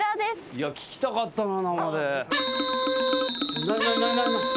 いや聞きたかったな生で。